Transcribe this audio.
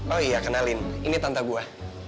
oh iya kenalin ini tante gue